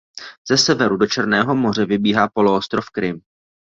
Ze severu do Černého moře vybíhá poloostrov Krym.